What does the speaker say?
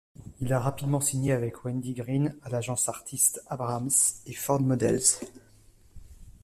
Il a rapidement signé avec Wendi Green à l'Agence Artiste Abrams, et Ford Models.